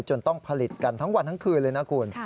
ต้องผลิตกันทั้งวันทั้งคืนเลยนะคุณ